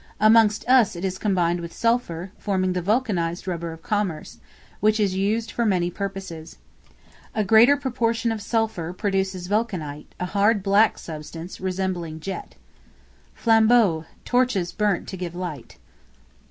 Amongst us it is combined with sulphur, forming the vulcanized rubber of commerce, which is used for many purposes. A greater proportion of sulphur, produces vulcanite, a hard black substance, resembling jet. Flambeaux, torches burnt to give light.